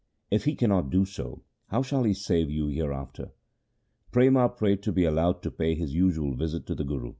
If he cannot do so, how shall he save you hereafter ?' Prema prayed to be allowed to pay his usual visit to the Guru.